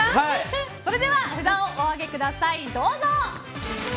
それでは、札をお上げください。